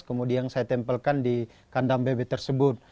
kemudian saya tempelkan di kandang bebek tersebut